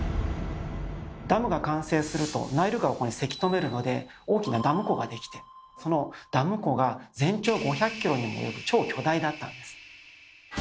ダムが完成するとナイル川をせき止めるので大きなダム湖ができてそのダム湖が全長５００ｋｍにも及ぶ超巨大だったんです。